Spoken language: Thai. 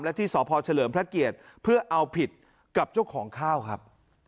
และที่สพเฉลิมพระเกียรติเพื่อเอาผิดกับเจ้าของข้าวครับ